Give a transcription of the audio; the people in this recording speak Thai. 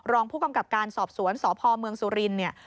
รองผู้กำกับการสอบสวนสพเมืองสุรินทร์เนี่ย